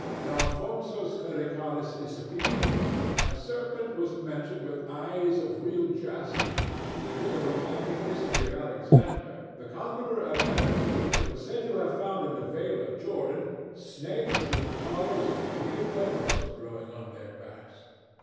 In Alphonso's Clericalis Disciplina a serpent was mentioned with eyes of real jacinth, and in the romantic history of Alexander, the Conqueror of Emathia was said to have found in the vale of Jordan snakes "with collars of real emeralds growing on their backs."